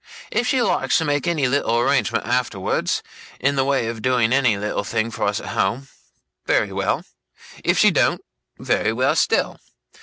If she likes to make any little arrangement, afterwards, in the way of doing any little thing for us at home, very well. If she don't, very well still.